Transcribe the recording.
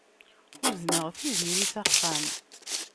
Uzneɣ Tiziri s axxam.